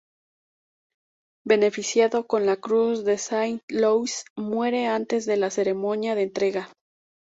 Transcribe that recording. Beneficiado con la Cruz de Saint-Louis, muere antes de la ceremonia de entrega.